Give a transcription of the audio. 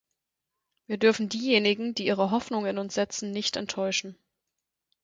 Wir dürfen diejenigen, die ihre Hoffnung in uns setzen, nicht enttäuschen.